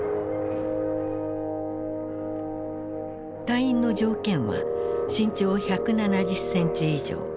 隊員の条件は身長１７０センチ以上。